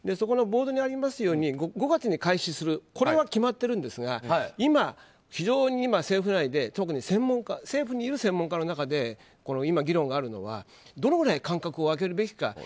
ボードにありますように５月に開始するのは決まっていますが今、非常に政府内で特に政府にいる専門家の中で今、議論があるのはどのくらい間隔を空けるべきか。